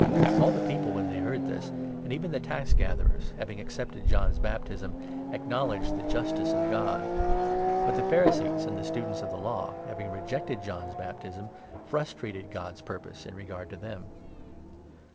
(All the people, when they heard this, and even the tax 29 gatherers, having accepted John's baptism, acknowledged the justice of God. But the Pharisees and the Students of the 30 Law, having rejected John's baptism, frustrated God's purpose in regard to them.)